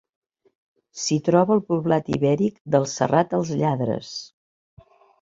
S'hi troba el poblat ibèric del Serrat els Lladres.